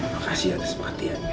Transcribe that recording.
makasih atas perhatiannya